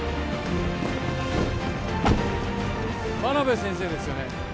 真鍋先生ですよね